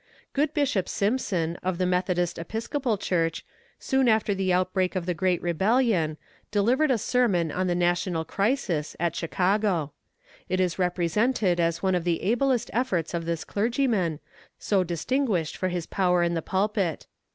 Good Bishop Simpson, of the Methodist Episcopal Church, soon after the outbreak of the great rebellion, delivered a sermon on the National crisis, at Chicago. It is represented as one of the ablest efforts of this clergyman, so distinguished for his power in the pulpit.